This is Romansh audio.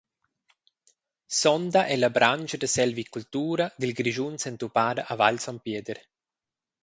Sonda ei la branscha da selvicultura dil Grischun s’entupada a Val S. Pieder.